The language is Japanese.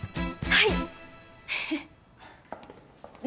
はい。